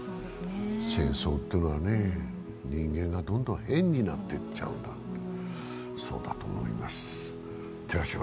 戦争というのは人間がどんどん変になっていくそうだと思います。